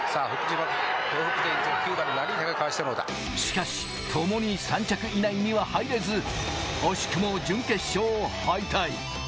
しかし、ともに３着以内には入れず、惜しくも準決勝敗退。